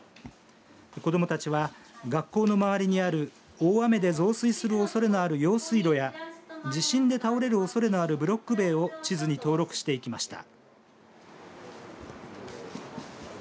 子どもたちは、学校の周りにある大雨で増水するおそれのある用水路や地震で倒れるおそれのあるブロック塀を地図に登録していきました。